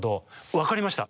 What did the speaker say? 分かりました。